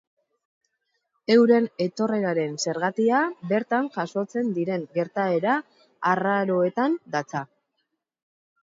Euren etorreraren zergatia bertan jazotzen diren gertaera arraroetan datza.